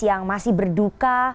yang masih berduka